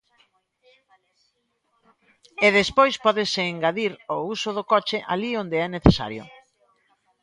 E, despois, pódese engadir o uso do coche alí onde é necesario.